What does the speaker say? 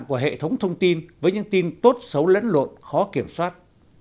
của hệ thống thông tin với những tin tốt xấu lẫn lộn khó kiểm soát